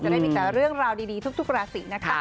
ได้มีแต่เรื่องราวดีทุกราศีนะคะ